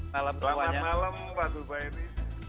selamat malam pak zubairi